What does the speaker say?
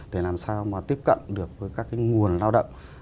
để làm sao mà tiếp cận được với các cái nguồn lao động